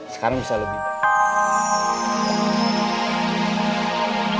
sekarang bisa lebih